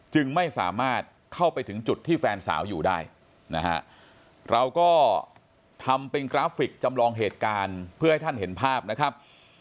จึงไม่สามารถเข้าไปถึงจุดที่แฟนสาวอยู่ได้นะฮะเราก็ทำเป็นกราฟิกจำลองเหตุการณ์เพื่อให้ท่านเห็นภาพนะครับ